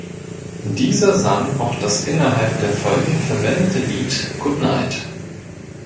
Dieser sang auch das innerhalb der Folgen verwendete Lied "Good Night".